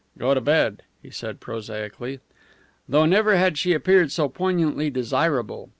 "Go to bed," he said, prosaically. Though never had she appeared so poignantly desirable.